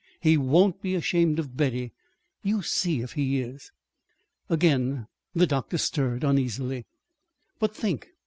He won't be ashamed of Betty. You see if he is!" Again the doctor stirred uneasily. "But, think!